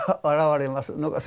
現れます。